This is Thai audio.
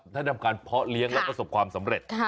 ได้ทำการเพาะเลี้ยงและประสบความสำเร็จ